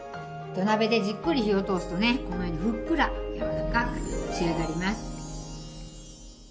土鍋でじっくり火を通すとねこのようにふっくら柔らかく仕上がります。